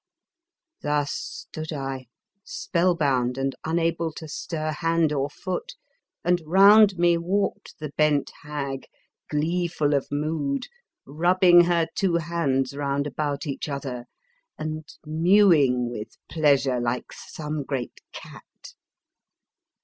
Thus stood I, spellbound and unable to stir hand or foot, and round me walked the bent hag, gleeful of mood, rubbing her two hands round about each other, and mewing with pleasure like some great cat.